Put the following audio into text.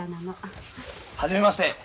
初めまして。